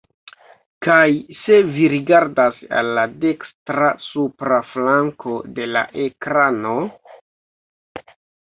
Kaj se vi rigardas al la dekstra supra flanko de la ekrano…